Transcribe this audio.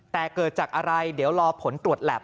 แต่เกิดจากอะไรเดี๋ยวรอผลตรวจแหลบ